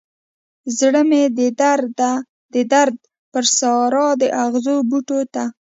زړه مې د درد پر سارا د اغزو بوټو ته